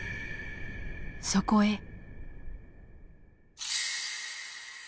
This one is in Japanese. そこへ。